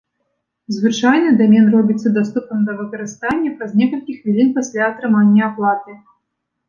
Звычайна дамен робіцца даступным да выкарыстання праз некалькі хвілін пасля атрымання аплаты.